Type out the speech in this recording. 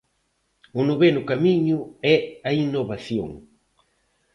O noveno camiño é a innovación.